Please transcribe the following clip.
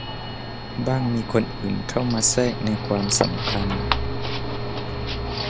บ้างมีคนอื่นเข้ามาแทรกในความสัมพันธ์